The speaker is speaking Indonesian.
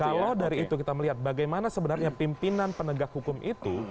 kalau dari itu kita melihat bagaimana sebenarnya pimpinan penegak hukum itu